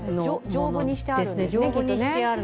丈夫にしてある。